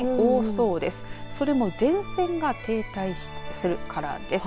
それも前線が停滞するからです。